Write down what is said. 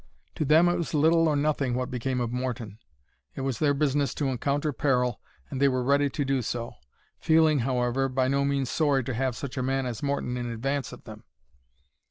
To them it was little or nothing what became of Morton. It was their business to encounter peril, and they were ready to do so;—feeling, however, by no means sorry to have such a man as Morton in advance of them.